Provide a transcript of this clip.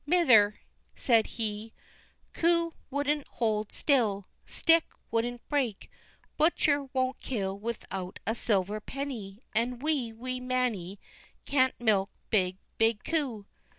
"Mither," said he, "coo won't hold still, stick won't break, butcher won't kill without a silver penny, and wee, wee Mannie can't milk big, big coo."